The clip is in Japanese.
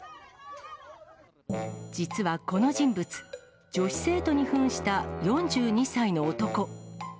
実はこの人物、女子生徒にふんした４２歳の男。